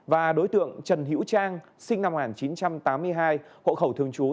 và đối tượng trần hữu trang sinh năm một nghìn chín trăm tám mươi hai hộ khẩu thường trú